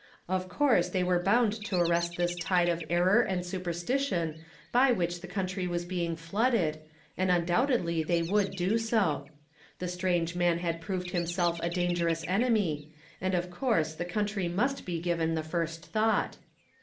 Of coui se they were bound to arrest this tide of error and superstition by which the country was being flooded, and un doubtedly they would do so. The strange man had proved liimself a dangerous enemy, and of course the country must be given the first thought.